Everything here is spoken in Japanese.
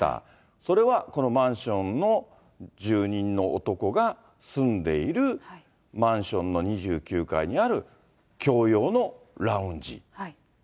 それはこのマンションの住人の男が住んでいるマンションの２９階にある共用のラウンジ。